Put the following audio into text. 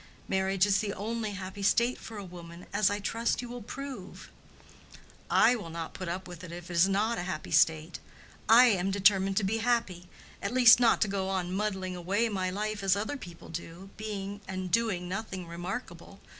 Marriage is the only happy state for a woman, as I trust you will prove." "I will not put up with it if it is not a happy state. I am determined to be happy—at least not to go on muddling away my life as other people do, being and doing nothing remarkable.